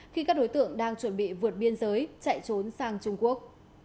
khi các đối tượng đang chuẩn bị vượt biên giới chạy trốn sang trung quốc